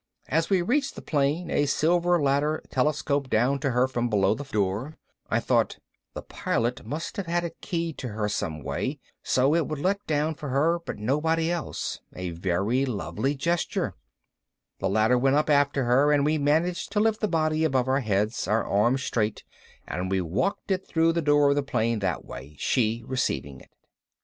As she reached the plane a silver ladder telescoped down to her from below the door. I thought, the Pilot must have had it keyed to her some way, so it would let down for her but nobody else. A very lovely gesture. The ladder went up after her and we managed to lift the body above our heads, our arms straight, and we walked it through the door of the plane that way, she receiving it.